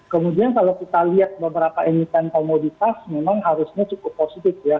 kemudian kalau kita lihat beberapa emiten komoditas memang harusnya cukup positif ya